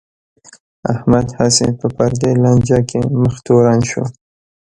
احمد هسې په پردی لانجه کې مخ تورن شو.